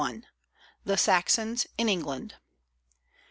849 901. THE SAXONS IN ENGLAND.